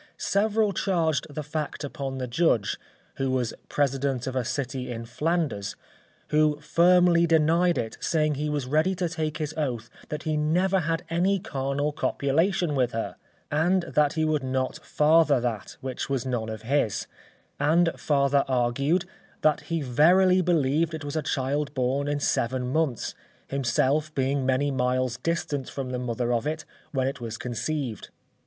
Several charged the fact upon the Judge, who was president of a city in Flanders, who firmly denied it, saying he was ready to take his oath that he never had any carnal copulation with her, and that he would not father that, which was none of his; and farther argued, that he verily believed it was a child born in seven months, himself being many miles distant from the mother of it when it was conceived.